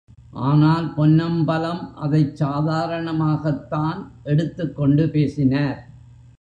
ஆனால், பொன்னம்பலம் அதைச் சாதாரணமாகத்தான் எடுத்துக் கொண்டு பேசினார்.